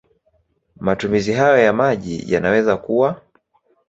Matumizi hayo ya maji yanaweza kuwa